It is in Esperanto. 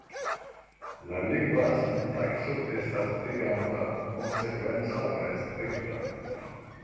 La lingva sintakso estas eleganta, konsekvenca kaj strikta.